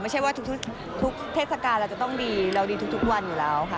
ไม่ใช่ว่าทุกเทศกาลเราจะต้องดีเราดีทุกวันอยู่แล้วค่ะ